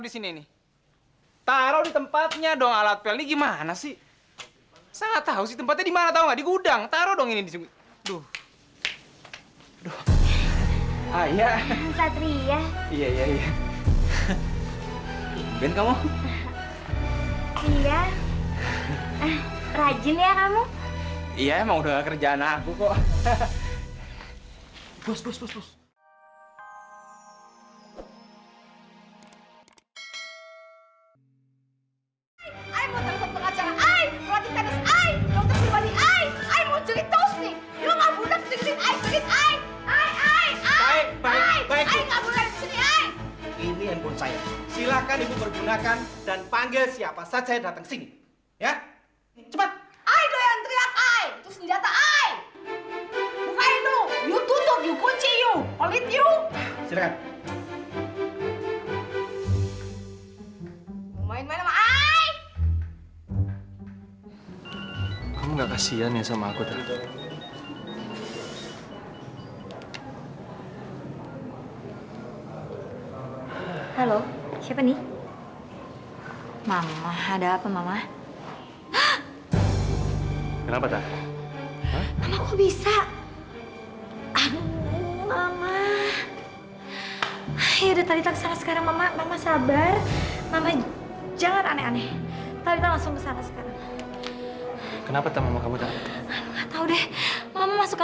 sampai jumpa di video selanjutnya